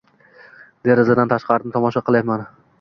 Derazadan tashqarini tomosha qilyapman.